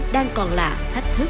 đang còn là thách thức